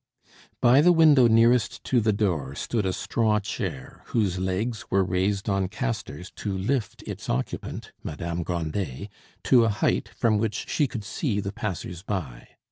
By the window nearest to the door stood a straw chair, whose legs were raised on castors to lift its occupant, Madame Grandet, to a height from which she could see the passers by.